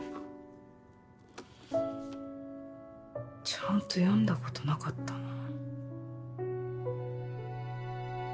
ちゃんと読んだことなかったな。